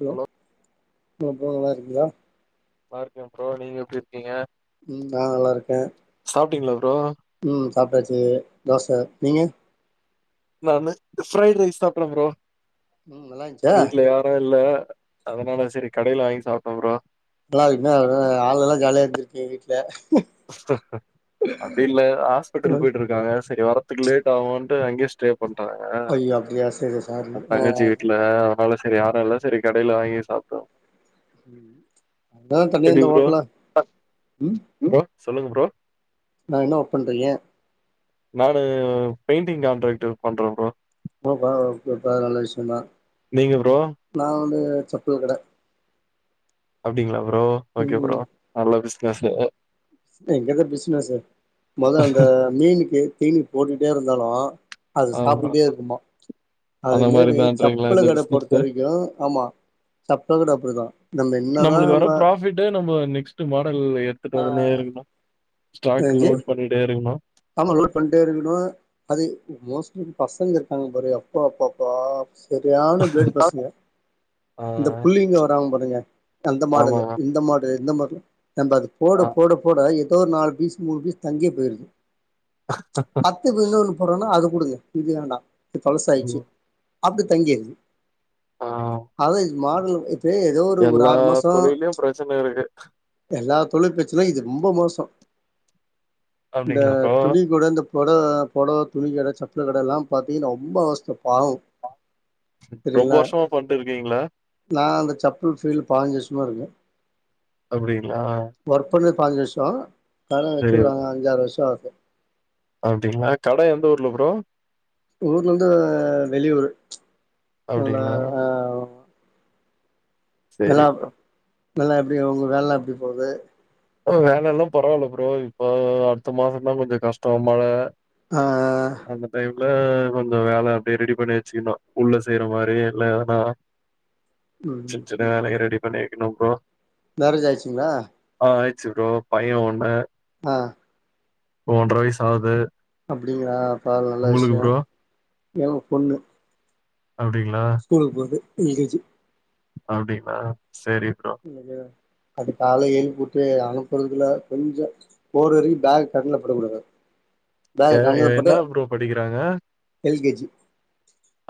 allow hello bro நல்லார்க்கீங்ளா நல்லார்க்கே bro நீங்க எப்டி இருக்கீங்க ம் நா நல்லாருக்கே சாப்ட்டீங்ளா ப்ரோ ம் சாப்ட்டாச்சு தோச நீங்க நா வந்து ஃப்ரைட்ரைஸ் சாப்ட்றே ப்ரோ வீட்ல யாரு இல்ல அதனால செரி கடையில வாங்கி சாப்ட்ட ப்ரோ நல்லாருக்கீங்களா ஆளுல்லா ஜாலியா இருந்திருக்குங்க வீட்ல அப்டியில்ல ஹாஸ்பிடல் போயிட்டு இருக்காங்க செரி வரத்துக்கு லேட்டாகுன்ட்டு அங்கய ஸ்டே பண்ற்றாங்க அங் தங்கச்சி வீட் ல்ல அதனால செரி யாருல்ல செரி கடையில வாங்கி சாப்பிட்றோ ம் அதா தனயா இந்த ஹோட்டலா ம் ப்ரோ சொல்லுங்க ப்ரோ அ என்ன ஒர்க் பண்றீங்க நானு பெயிண்டிங் கான்ட்ராக்டர் பண்றே ப்ரோ [unintelligible] நல்ல விஷ்யோதா நீங்க ப்ரோ நா வந்து செப்பல் கட அப்டிங்களா ப்ரோ ஓகே ப்ரோ நல்ல பிசினஸு அ எங்கதா பிசினஸ் மொத அந்த மீனுக்கு தீனி போட்டுட்டே இருந்தாலு அது சாப்டுட்டே இருக்குமா அதுமேரி சப்பள்லுகட பொறுத்த வரைக்கு ஆமா சப்பள் கட அப்டிதா நம்ம என்னதா ப ட்டு நம்ம நெக்ஸ்ட் மாடல் எடுத்துட்டு ஒடனே இருக்கணு ஸ்டாக் லோட் பண்ணிட்டேருக்கணு ஆமா லோட் பண்ணிட்டேருக்கணு அது மோஸ்ட்லி பசங்க இருக்காங்க பாரு அப்பாப்பா அப்பா சரியான பீளேடு பசங்க இந்த புள்ளிங்கே வராங்க பாருங்க அந்த மாடலு இந்த மாடலு இந்த மாடலு நம்ம அது போட போட போட ஏதோ ஒரு நாலு பீஸ் மூணு பீஸ் தங்கியே போயிடுது பத்து பதினொன்னு‌ போட்றானா அத குடுங்க இது வேண்டா இது பழசாயிடுச்சு அப்டி தங்கிருது அது இத் மாடல் இப்ப எல்லா தொழிலயு பிரச்சன இருக்கு எல்லா தொழில் பிரச்சனனா இது ரொம்ப மோசோ இந்த இன்னொன்னு இந்த பொடவ பொடவ துணி கட சப்பள் கடயெல்லா பாத்தீங்கன்னா ரொம்ப அவசத்த பாவோ ரொம்ப வருஷமா பண்ணிட்டு இருக்கீங்களா நா அந்த சப்பள் ஃபீல்ட்ல பாஞ்சி வருஷமா இருக்கே அப்டிங்களா ஒர்க் பண்ணது பாஞ்சு வருஷோ கட வச்சது அஞ்சாறு வருஷோ ஆகு அப்டிங்ளா கட எந்த ஊர்ல ப்ரோ ஊர்லேருந்து வெளியூரு அந்த அ நல்லா நல்லா உங்க வேலலா எப்டி போது அ வேலல்லா பரவால்ல ப்ரோ இப்போ அடுத்த மாசதா கொஞ்சோ கஷ்டோ மழ ஆ அந்த டைம்ல கொஞ்சோ வேல அப்படியே ரெடி பண்ணி வச்சுக்கணு உள்ள செய்யற மாரி இல்ல எதன்னா சின்ன சின்ன வேலையே ரெடி பண்ணி வைக்கணு ப்ரோ மேரேஜ் ஆயிட்ச்சுங்ளா ஆ ஆயிர்ச்சு ப்ரோ பையே ஒண்ணு ஆ இப்போ ஒன்ர்ற வயசாவுது அப்டிங்கிலா பரவால்ல நல்ல விஷ்யோ எங்க பொண்ணு அப்டிங்களா ஸ்கூலுக்கு போகுது எல் கே ஜி அப்டிங்களா செரி ப்ரோ எனக்கு அது காலேல எழுப்பிட்டு அனுப்புறதுல கொஞ்சோ போற வரைக்கு பேக் கண்ணுல படக்கூடாது ஏ என்ன ப்ரோ படிக்கிறாங்க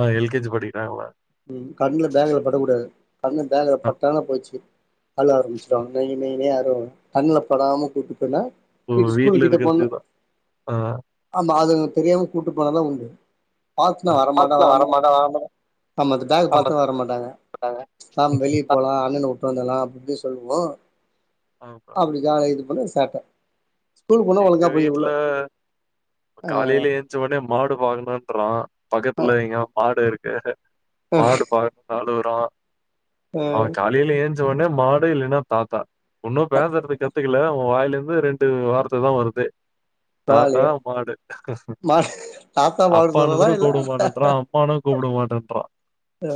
ஆ எல் கே ஜி படிக்கிறாங்களா ம் கண்ல பேக்ல படக்கூடாது கண்ணு பேக்ல பட்டானா போய்ச்சி அழுக ஆரம்பிச்சிருவாங்க நொய் நொய்ன்னு நேதா வருவாங்க கண்ணுல படாம கூட்டு போனா பி டி ஸ்கூலு கிட்ட போனன்ன ஆ ஆமா அது அவுங்களுக்கு தெரியாம கூட்டு போனாதா உண்டு பாத்துனா வரமாட்டே வரமாட்டே ஆமா அந்த பேக் பாத்தா வர மாட்டாங்க நாம வெளிய போலா அண்ணன விட்டு வந்துர்லா அப்டி இப்டின்னு சொல்லுவோ ஆமா ஏ இது போல சேட்ட ஸ்கூலுக்கு போனா ஒழுங்கா போய் உள்ள காலேல ஏஞ்ச்ச ஒன்னே மாடு பாக்கணுன்றா பக்கத்துல இங்கயா மாடு இருக்கு மாடு பாத்துட்டு அழுவுறா அவே காலேல ஏஞ் ச்ச ஒன்னே மாடு இல்லைன்னா தாத்தா ஒன்னு பேசுறது கத்துக்கல அவே வாயில இருந்து ரெண்டு வார்த் ததா வருது தாத்தா மாடு அப்பான்னு கூட கூப்ட மாட்டேன்றா அப்பான்னு கூப்ட மாட்டேன்றா ஆ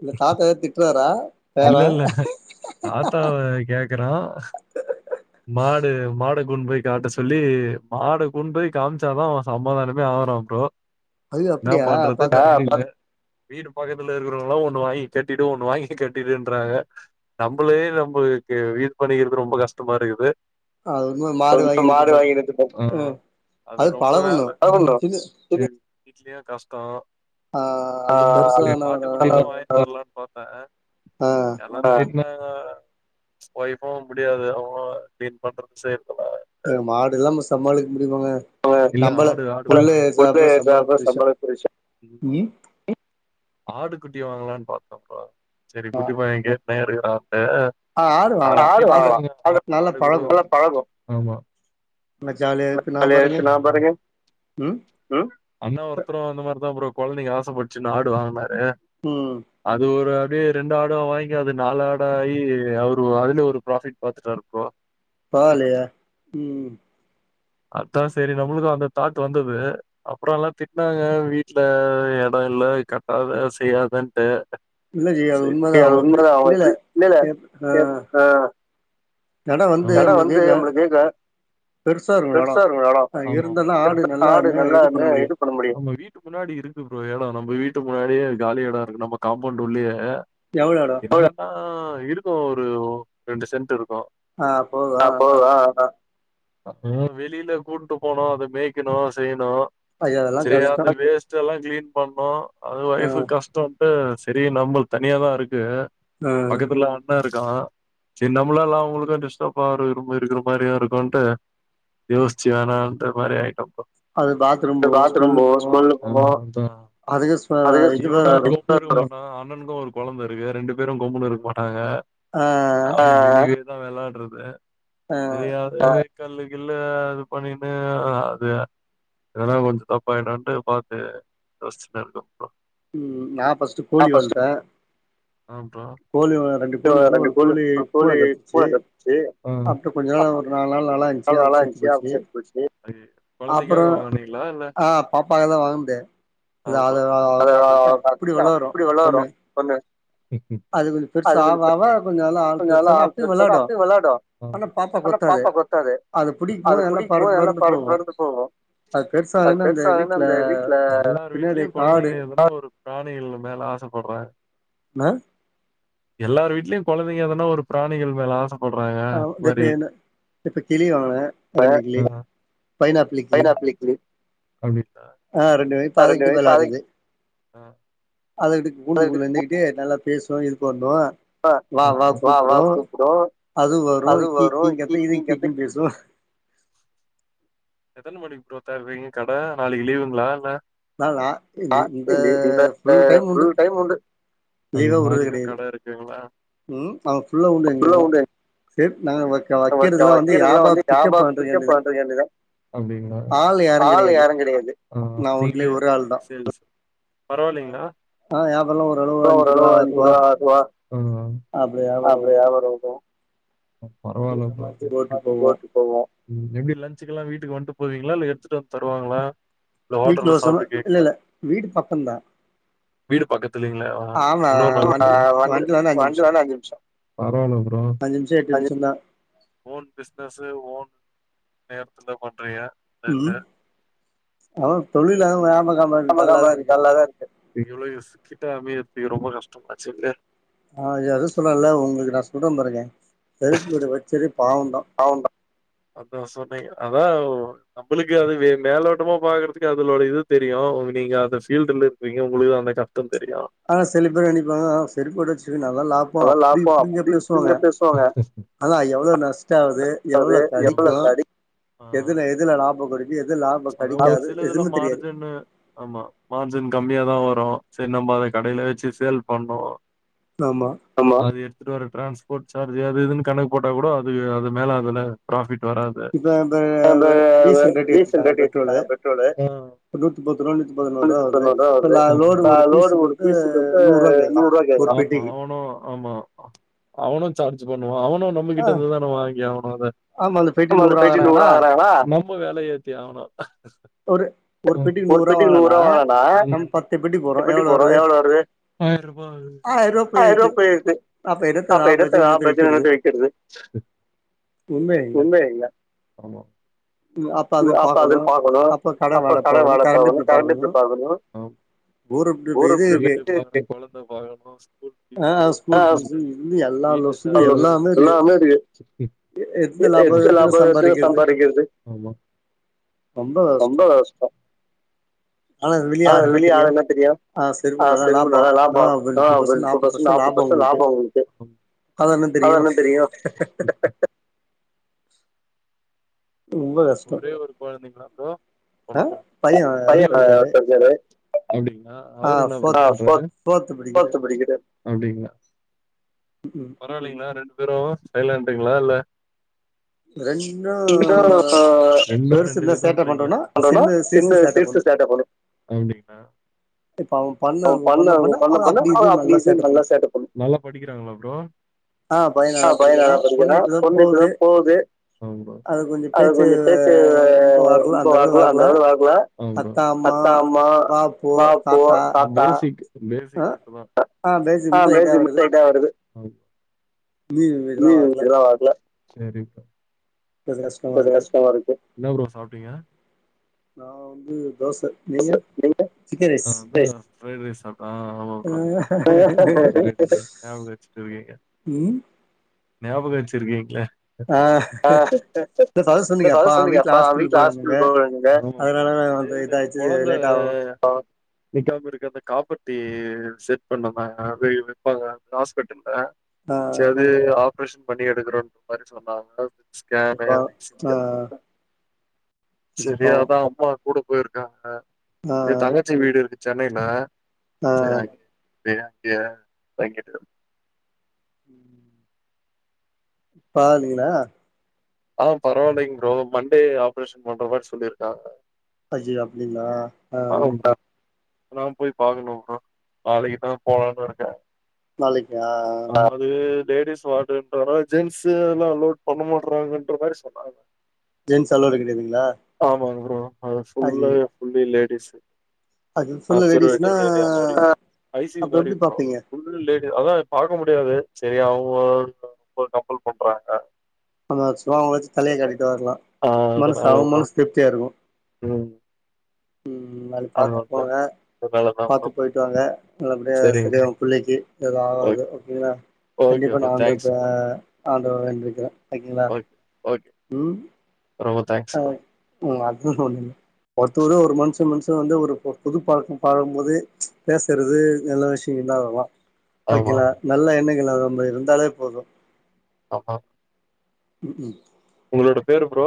உங்க தாத்தாவே திட்றாரா இல்ல இல்ல தாத்தாவ கேக்குறா மாடு மாட கொண்டு போய் காட்ட சொல்லி மாடு கொண்டு போய் காமிச்சாதா அவே சமாதானமே ஆகுறா ப்ரோ என்ன பண்றது நா அந்த வீடு பக்கத்துல இருக்குறவங்களா ஒண்ணு வாங்கி கட்டிடு ஒண்ணு வாங்கி கட்டிடுன்றாங்க நம்பளயே நம்பளுக்கு வீடு பண்ணிக்கிறது ரொம்ப கஷ்டமா இருக்குது ஒரு மாடு வாங்கின்னு வந்து கட்டு ஆ அது ரொம்ப வேல போதும்டா இது வீட்லயே கஷ்டோ ஆ ஆட்டுக்குட்டில்லா வாங்கிட்டு வரலான்னு பாத்தே ஆ அதுக்கு மேல ஒய்ஃப்பு முடியாது அவுங்க க்ளீன் பண்றது செய்றதுலா ஏங்க மாடுல்லா நம்ம சமாளிக்க முடியுமாங்க நம்மள புள்ளய சார்ந்த சம்பள புருசே ம் ம் ஆடு குட்டி வாங்கலான்னு பாத்தோப்ப செரி குட்டி பையே கேட் டுன்னே இருக்கிறானே ஆடு கூட நல்லா பழகு ஆமா [unintelligible] பாருங்கே ம் அண்ணே ஒருத்தரு இந்த மாரிதா ப்ரோ கொழந்தைங்க ஆசப்பட்டுச்சின்னு ஆடு வாங்குனாரு ம் அது ஒரு அப்டியே ரெண்டு ஆடு வாங்கி அது நாலு ஆடா ஆகி அவர் அதுல ஒரு ப்ராஃபிட் பாத்துட்டாரு ப்ரோ பரவால்லயே ம் அதா செரி நம்மளுக்கு அந்த தாட் வந்தது அப்பறோ எல்லா திட்னாங்க வீட்ல எடோ இல்ல கட்டாத செய்யாதன்ட்டு செரி அது உண்மதா அங்க எப்டி இல்லல்ல ஆ எடோ வந்து நம்மள கேக்கு பெருசா இருக்கு எடோ ஆமா இருந்தா ஆடு நல்லா மே இது பண்ண முடியு ட்டுக்கு முன்னாடி இருக்கு ப்ரோ இடோ நம்ப வீட்டு முன்னாடியே காலி இடோ இருக்கு நம்ப காம்பவுண்ட் உள்ளியே எவ்ளோ இடோ எவ்ளோ இப்ப எல்லா இருக்கு ஒரு ரெண்டு சென்ட் இருக்கு ஆ போது ஆ ஆ ஆ ஆ ஏ வெளில கூட்டு போனு அத மேய்கணு செய்யணு சேரியந்த வேஸ் டு எல்லா கிளீன் பண்ணோ அது ஒய்ஃபுக் கஷ்டம்ட்டு சேரி நம்பள் தனியாதா இருக்கு பக்கத்துல அண்ண இருக்கா சேரி நம்லா எல்லா அவுங்களுக்கு டிஸ்ட்டர்ப் ஆ இருக்கிற மாரியு இருக்கும்ன்ட்டு யோஸ்ச்சு வேணாண்ற மாரி ஆயிட்டோ இப்ப பாத்ரூ போவு ஸ்மல்லு போவு அது யோசிச்சு தா அண்ணனுக்கு ஒரு கொழந்த இருக்கு ரெண்டு பேரு கொம்முன்னு இருக்க மாட்டாங்க ஆ [unintelligible] இதா விளயாடுறது ஆ தெரியாது கல்லுக்கில்ல அது பண்ணிட்டு அது எதன்னா கொஞ்சோ தப்பாயிடுன்ட்டு பாத்து யோசிட்டு அதுக்கு அப்றோ ம் நா ஃபர்ஸ்ட்டு கோழி வளத்தே ஆ ப்ரோ [unintelligible] ரெண்டு கோழி கோழி பூன கடிச்சிசி கொஞ்ச நாள் ஒரு நாலு நாள் நல்லா இரு நாலு நல்லா இருந்துச்சு அப்றோ செத்துப் போச்சு கொழந்தைக்காக வாங்குனிங்களா இல்ல ஆமா அத வச்சி அப்டி விளயாடு பொண்ணு அது கொஞ்சோ பெருசா அவ அவக் கொஞ்சோ நல்ல ஆள் பெருசானா அப்யு விளயாடு ஆனா பாப்பா கொத்தாது த்தாது அது பிடிக்கு போகு எல்லா பறந்து பறந்து போவோ அது பெருசா வந்து அந்த வீட்ல எல்லாரு வீட்லயு கொழந்தைங்க விளா நானு இதுங்க மேல ஆசப்படுறே ண்ணா எல்லாரு வீட்லயு கொழந்தைங்க எதனா ஒரு பிராணிகள் மேல ஆசப்படுறாங்க மாரி இப்ப கிளி வாங்கினே ரெண்டு கிளி பைனாப் கிளி கிளி ஆ ரெண்டுமே அது கிட்டயு வெளையாடுது ஆ அதக்கட்டு கூண்டு குள்ள இருந்துகிட்டே நல்லா பேசு இது பண்ணு வா வா கூப்டு க்கோ அது வரு கீக்கீன் கத்து இது கீக்கீன் பேசு எத்தன மணிக்கு ப்ரோ தெறப்பீங்க கட நாளைக்கு லீவுங்களா இல்ல ஆ இந்த இந்தப்ப ஃபுல் டைம் உண்டு அது நாளைக்கு கட இருக்குங்களா ஃபுல்லா உண்டு உனக்கு வைக்கிறதுல்லா வந்து வியாபாரத்துக்கே [unintelligible] தா அப்டிங்களா ஆள் யாரு கெடையாது ஆ நீங்களே சேல்ஸ் ஆ வியாபாரெல்லா ஓரு அளவு ஆச் செலவு அஞ்சு ரூவா ஆறு ரூவா அப்டியா வரு வரு பரவால்ல பாத்து போட்டு போவ ம் எப்டி லன்சுக்கெல்லா வீட்டுக்கு வந்துட்டு போவீங்களா இல்ல எடுத்துட்டு வந்து தருவாங்களா வீட்ல சொல்ல இல்ல இல்ல வீடு பக்கந்தா வீடு பக்கத்துலைங்களா இன்னோ அஞ்சு நிம்ஷோ பரவால்ல ப்ரோ அஞ்சு நிம்ஷ எட்டு நிம்ஷம் தா ஓன் பிஸ்னஸ்சு ஓன் நேரத்துல பண்றீயா ம் அவ தொழில்ல [unintelligible] அம்மகாம்மா நல்லாதா இருக்கு எவ்ளோ யோசிட்டா அமைற்து ரொம்ப கஷ்டமாச்சுனே அ எத சொல்ல உங்களுக்கு நா சொல்றன் பாருங்க தெருப்பு கீடு வச்சதே பாவந்தா அவுந்தா அப்றோ சொன்னீக அதா நம்மளுக்கு அதுவே மேலோட்டமா பாக்குறதுக்கு அதோளட இது தெரியு ஒ நீங்க அந்த பீல்டுல இருப்பீங்க உங்களுக்குதா அந்த க கம்பெனிலயா ஆனா செல பேர் நிப்பாங்க சரி போட வச்சு நல்லா லாப்போ அப்டி இப்டினு பேசுவாங்க ஆனா எவ்ளோ நஷ்டாகுது எவ்ள கடைக்கு எதுல எதுல லாப கடைக்கு எது லாப கடைக்காது எதுமே தெரியாது ம ஆமா மார்ஜன் கம்மியாதா வரோ சரி நம்ம அத கடையில வச்சு சேல் பண்ணோ ஆமா ஆமா அது எடுத்துட்டு வர டிரான்ஸ்போர்ட் சார்ஜ் அது இதுனு கணக்கு போட்டா கூட அது அது மேல அதுல பிராபிட் வராது டீசல் ரேட் வச்சிருக்காங்க பெட்ரோலு ம் [unintelligible] லோடு ஒரு பீஸுக்கு வந்து நூறுவா கேக்றாங் மதனு ஆமா அவனு சார்ஜ் பண்ணுவா அவனு நம்மகிட்ட இருந்துதா வாங் [unintelligible] நம்ம வேல ஏத்தி ஆகனு ஒரு பெட்டிக்கு நூறா வாங்கனா ம் பெட்டிக்கு போது எவ்ளோ வருது ஆயிர ரூபா வருது ஆயருவா போயிருக்கு அப்ப எடுத்துங்க பிரச்சனைல வைக்கெறது உண்மை இல்ல ஆமா அப்பா அது பாக்கணு அப்ப கட வாட பாக்கணு கரண்ட் பில் பாக்கணு [unintelligible] ஒரு கொழந்தை பாக்கனு ஸ்கூல் ஃபீஸ் அ வீட்டு அலோ எல்லாமே ஏறிச்சி எடுத்த லாபத்த சம்பாதிக்கறது ஆமா ரொம்ப ரொம்ப கஷ்டோ ஆனா வெளி ஆள்க என்ன தெரியு ஆ சரிப நல்லா லாபோ ஆ ஒரு முப்பது பர்சன் நாற்பது பர்சன் லாபோ ஒங்களுக்கு அதான தெரியு ரொம்ப க ஒரே ஒரு கொழந்தைங்களா ப்ரோ ஆமா ப்ரோ பையன் என்ன படிக்காரு அப்டிங்களா அவரு என்ன அப்டிங்களா டுவெல்த்து படிக்குறாரு ம் பரவா இல்லிங்களா ரெண்டு பேரு சைலண்டங்களா இல்ல ரெண்டும் அ இன்ன ரெண்டு விதம்ட்ற இல்ல [unintelligible] அவ பண்ண பண்ண பண்ண அவ அப்டி இப்டி நல்லா சேட்டப் பண்ணு நல்லா படிக்கிறாங்களா ப்ரோ ஆ பைய நல்லா படிக்கிறா பொண்ணு இப்பதா போது அது கொஞ்சோ பேச்சு ரொம்ப வர்ல அந்த அளவுக்கு வர்ல அத்த அம்மா வா போ தாத்தா ஆ பேஸ்சிக் மட்டு தா லைட்டா வருது டா வருது செரி ப்ரோ என்ன ப்ரோ சாப்டீங்க நா வந்து தோச நீங்க பிரைய்ட் ரைஸ் சாப் ஆ ஆமா ப்ரோ ஞாபகம் வெச்சுட்டு இருக்கீங்க ஞாபக வேச்சிருக்கீங்ளே ஆ பிளஸ் அத சொன்னீங்க அப்பா வீட்ல ஹாஸ்பிடல் போறனீங்க கொழந்த நிக்காம இருக்கருதுக்கு காப்பர்ட்டி செட் பண்ணமா ஹாஸ்பிட்டல்ல செரி ஆப்ரேஷன் பண்ணி எடுக்கறோன் மாரி சொன்னாங்க ஸ்கேனு அந்த இ சி ஜிஎன செரி அதா அம்மா கூட போயிருக்காங்க எ தங்கச்சி வீடு இருக்கு சென்னைல செர் ஆய் [unintelligible] வாங்கெட்டடு உம் பறவாலீங்ளா ஆ பரவாயில்லைங் ப்ரோ மண்டே ஆப்ரேஷன் பண்ற மாரி சொல்லியிருக்காங்க அய்யய்யோ அப்டிங்ளா [unintelligible] நா போய் பாக்கணு ப்ரோ நாளைக்கு தா போலான் இருக்கே நாளைக்கா அது லேடிஸ் வார்ட்ன்றனால ஜென்ஸ்ஸுல்லாம் அலோட் பண்ண மாட்றாங்கன்ற மாரி சொன்னாங்க ஜென்ஸ் அல்லோட் கெடையாதுங்ளா ஆமாங்க ப்ரோ அது ஃபுல்லா ஒன்லி லேடிஸ் அப்சர்வேட்டிவ் ஏரியா மாரி ஐ சி யூ மாரி ப்ரோ ஃபுல் அதா பாக்க முடியாது செரி அவங்க [inaudible] கம்பல் பண்றாங்க சந்தோஷமா அவங்களாச்சு தலய காட்டிட்டு வரலா மனுசு அவங்க மனுசு திருப்தியா இருக்கு உம் அது பாத்து போங்க பாத்து போயிட்டு வாங்க நல்லபடியா சரியாவு புள்ளைக்கு எதுவு ஆவாது ஓக்கேங்ளா கண்டிப்பா நா ஆண்டு ஆ ஆண்டவன வேண்டிக்கிறே ஓகேங்ளா ஓக் ம் பரவத் உம் அதுவு ஒன்னுயில்ல ஒருத்தரவுட ஒரு மன்ஷ மன்ஷ வந்து ஒரு புது பழக்கம் பழகும்போது பேசுறது நல்ல விஷ் ஓக்கேங்ளா நல்லா எண்ணங்களலாம் நம்ம இருந்தாலே போது ஆ அ ம் ம் உங்களோட பேர் ப்ரோ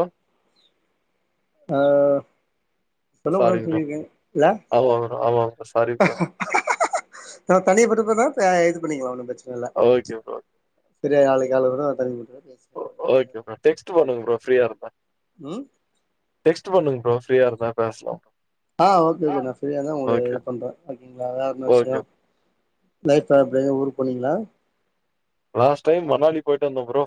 ஆ சொல்ல கூடாது சொல்லிருக்கேன் இல்ல தனிய பட்டுப்ப தா இது பண்ணிங்களா ஒண்ணு பெரச்சன இல்ல ஓகே ப்ரோ செரிய நாளைக்கு கால கூட தனி பேசக்கலா ஓகே ப்ரோ டெக்ஸ்ட் பண்ணுங்க ப்ரோ ஃப்ரீயா இருந்தா ம் டெஸ்க்ட் பண்ணுங்க ப்ரோ ஃப்ரியா இருந்தா பேசலாம் ஆ ஓகே ஓகே நா ஃப்ரீயா தா உங்களுக்கு இது பண்றே ஓகேங்களா வேற என்ன விஷயோ லைஃப் ப்ரெ ஊருக்கு போனீங்களா லாஸ்ட் டைம் மானோலி போயிட் வந்தோ ப்ரோ